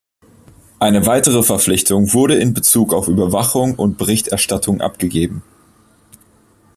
Eine weitere Verpflichtung wurde in Bezug auf Überwachung und Berichterstattung abgegeben.